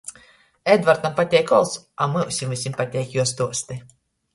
Edvartam pateik ols, a mums vysim pateik juo stuosti.